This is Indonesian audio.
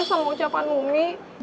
sama ucapan umi